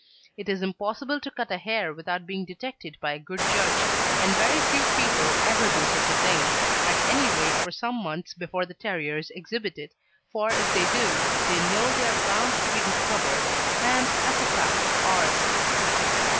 It is impossible to cut a hair without being detected by a good judge, and very few people ever do any such thing, at any rate for some months before the terrier is exhibited, for if they do, they know they are bound to be discovered, and, as a fact, are.